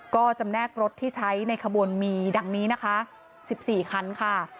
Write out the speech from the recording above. ก็จำแนกรถที่ใช้ในขบวนมีดังนี้นะคะ๑๔คันค่ะ